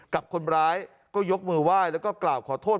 กับคนร้ายก็ยกมือไหว้แล้วก็กล่าวขอโทษ